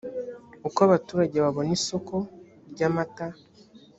uko abaturage babona isoko ry’amata